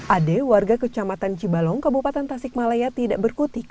ade warga kecamatan cibalong kabupaten tasikmalaya tidak berkutik